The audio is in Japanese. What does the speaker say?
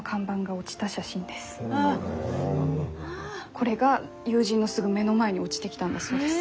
これが友人のすぐ目の前に落ちてきたんだそうです。